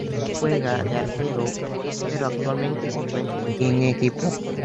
Juega de arquero, pero actualmente se encuentra sin equipo.